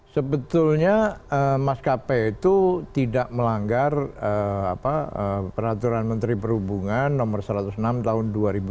sebetulnya maskapai itu tidak melanggar peraturan menteri perhubungan no satu ratus enam tahun dua ribu dua puluh